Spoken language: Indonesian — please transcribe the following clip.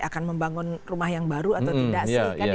akan membangun rumah yang baru atau tidak sih